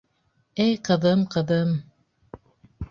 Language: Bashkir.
Эй, ҡыҙым, ҡыҙым...